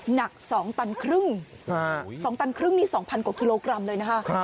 หนัก๒ตันครึ่ง๒ตันครึ่งนี่๒๐๐กว่ากิโลกรัมเลยนะคะ